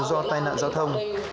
do tài nạn giao thông